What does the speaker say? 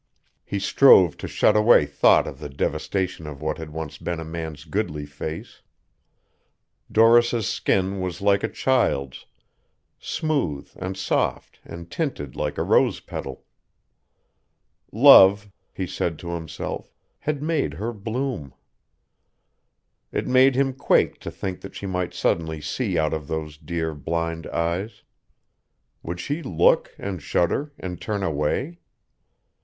He strove to shut away thought of the devastation of what had once been a man's goodly face. Doris' skin was like a child's, smooth and soft and tinted like a rose petal. Love, he said to himself, had made her bloom. It made him quake to think that she might suddenly see out of those dear, blind eyes. Would she look and shudder and turn away?